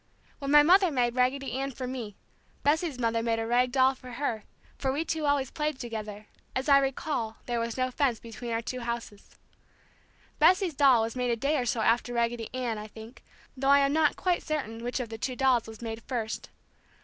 When my mother made Raggedy Ann for me, Bessie's mother made a rag doll for her, for we two always played together; as I recall, there was no fence between our two houses. Bessie's doll was made a day or so after Raggedy Ann, I think, though I am not quite certain which of the two dolls was made first.